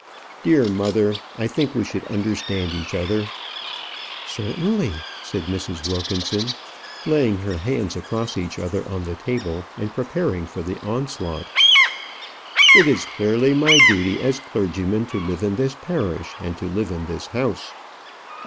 "Dear mother, I think we should understand each other " "Certainly," said Mrs. Wilkinson, laying her hands across each other on the table, and preparing for the onslaught. "It is clearly my duty, as clergyman, to live in this parish, and to live in this house."